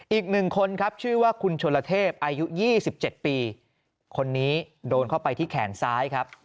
อีกหนึ่งคนครับชื่อว่าคุณชนลเทพอายุ๒๗ปีคนนี้โดนเข้าไปที่แขนซ้ายครับ